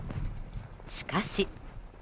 しかし。